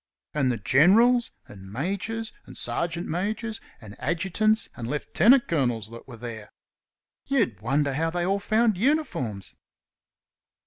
And the generals, and majors, and sergeant majors, and adjutants and lieutenant colonels that were there! You'd wonder how they all found uniforms.